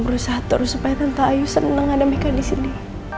berusaha terus supaya tante ayu seneng ada mika disini